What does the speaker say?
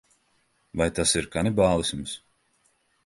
Vai tas ir kanibālisms?